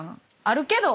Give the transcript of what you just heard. あるけど。